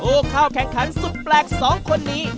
เข้าแข่งขันสุดแปลกสองคนนี้